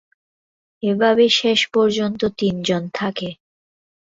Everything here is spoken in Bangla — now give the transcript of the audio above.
এভাবে শেষ পর্যন্ত তিনজন থাকে।